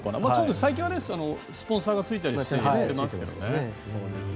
最近はスポンサーがついたりしていますけどね。